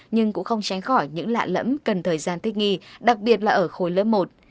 nhưng cũng không tránh khỏi những lạ lẫm cần thời gian thích nghi đặc biệt là ở khối lớp một